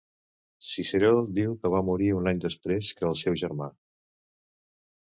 Ciceró diu que va morir un any després que el seu germà.